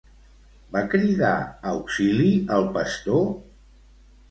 Va cridar auxili el pastor?